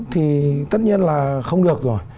thì tất nhiên là không được rồi